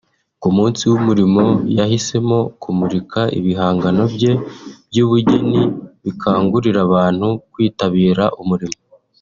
ku munsi w’umurimo yahisemo kumurika ibihangano bye by’ubugeni bikangurira abantu kwitabira umurimo